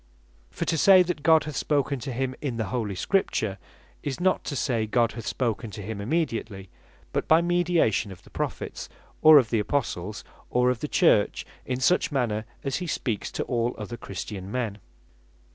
For to say that God hath spoken to him in the Holy Scripture, is not to say God hath spoken to him immediately, but by mediation of the Prophets, or of the Apostles, or of the Church, in such manner as he speaks to all other Christian men.